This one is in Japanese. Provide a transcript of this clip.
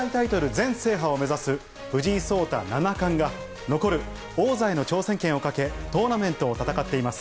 全制覇を目指す藤井聡太七冠が、残る王座への挑戦権をかけ、トーナメントを戦っています。